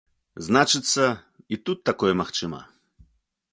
Значыцца, і тут такое магчыма.